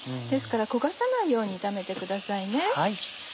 ですから焦がさないように炒めてくださいね。